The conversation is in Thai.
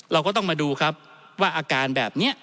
เราก็ต้องมาดูครับว่าอาการแบบนี้